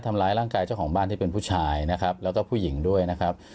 ทำร้ายร่างกายเจ้าของบ้านที่เป็นผู้ชายนะครับแล้วก็ผู้หญิงด้วยนะครับ